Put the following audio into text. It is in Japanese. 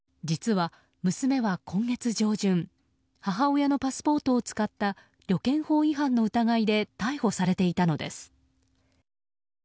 実は娘は今月上旬母親のパスポートを使った旅券法違反の疑いで逮捕されていたのです。